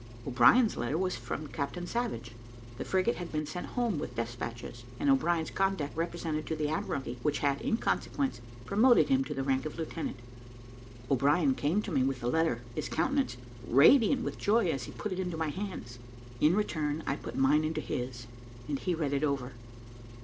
O'Brien's letter was from Captain Savage; the frigate had been sent home with despatches, and O'Brien's conduct represented to the Admiralty, which had, in consequence, promoted him to the rank of lieutenant. O'Brien came to me with the letter, his countenance radiant with joy as he put it into my hands. In return I put mine into his, and he read it over.